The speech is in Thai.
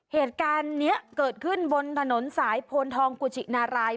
เหตุการณ์นี้เกิดขึ้นบนถนนสายโพนทองกุชินาราย